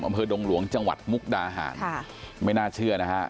อำเภอดงหลวงจังหวัดมุกดาหารค่ะไม่น่าเชื่อนะฮะ